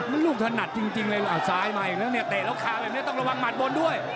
มันลูกถนัดจริงเลยซ้ายมาอีกแล้วเนี่ยเตะแล้วคาแบบนี้ต้องระวังหมัดบนด้วย